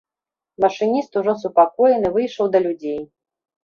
Машыніст, ужо супакоены, выйшаў да людзей.